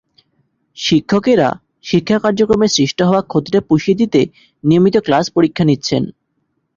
শিক্ষকেরা শিক্ষা কার্যক্রমে সৃষ্ট হওয়া ক্ষতিটা পুষিয়ে দিতে নিয়মিত ক্লাস-পরীক্ষা নিচ্ছেন।